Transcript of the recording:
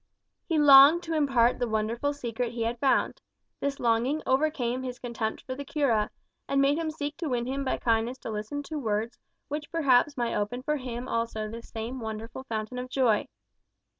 He longed to impart the wonderful secret he had found. This longing overcame his contempt for the cura, and made him seek to win him by kindness to listen to words which perhaps might open for him also the same wonderful fountain of joy.